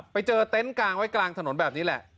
เต็นต์กลางไว้กลางถนนแบบนี้แหละ